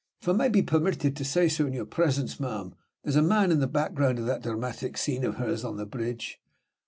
If I may be permitted to say so in your presence, ma'am, there's a man in the background of that dramatic scene of hers on the bridge.